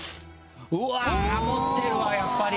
うわぁ持ってるわやっぱり。